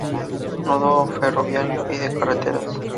Nudo ferroviario y de carreteras.